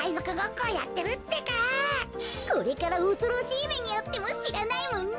これからおそろしいめにあってもしらないもんね。